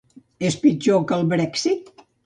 És pitjor que el Brèxit?